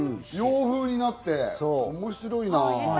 洋風になって面白いな。